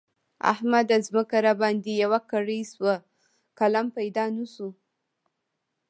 احمده! ځمکه راباندې يوه کړۍ شوه؛ قلم پيدا نه شو.